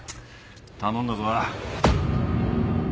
頼んだぞ。